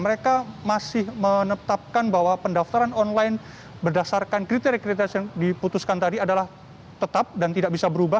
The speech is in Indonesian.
mereka masih menetapkan bahwa pendaftaran online berdasarkan kriteria kriteria yang diputuskan tadi adalah tetap dan tidak bisa berubah